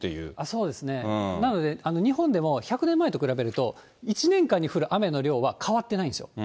そうですね、なので、日本でも１００年前と比べると、１年間に降る雨の量は変わってないんですよ。